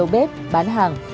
bếp bán hàng